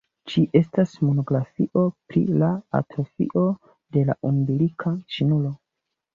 Ĝi estas monografio pri la atrofio de la umbilika ŝnuro.